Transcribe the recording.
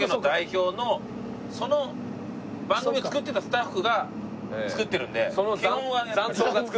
その番組を作ってたスタッフが作ってるので。